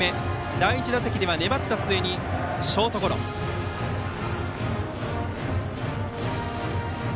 第１打席では粘った末にショートゴロでした。